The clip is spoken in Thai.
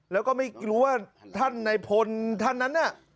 แล้วก็ไม่รู้ว่าท่านในพลท่านนั้นน่ะ